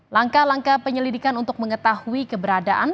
langkah langkah penyelidikan untuk mengetahui keberadaan